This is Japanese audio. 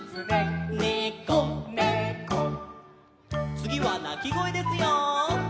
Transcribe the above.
つぎはなきごえですよ。